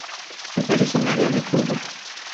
Es originaria de Cuba.